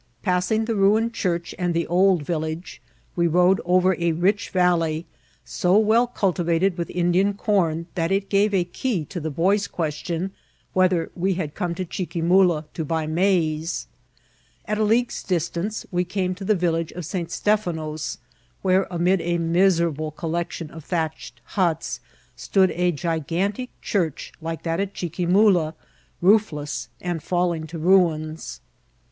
Passing the ruined diurch and the old village, we rode over a rich valley, so well cultivated with Indian com that it gave a key to the boy's question, Whether we had come to Chiqui mula to buy maize ? At a league's distance We came to the village of St. Stephanos, where, amid a miserable col lection of thatched huts, stood a gigantic ehurch, like that at Chiquimula, roofless, and falUng to ruins.